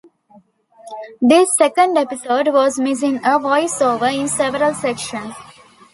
The second episode was missing a voiceover in several sections.